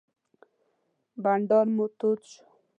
بانډار مو تود شو.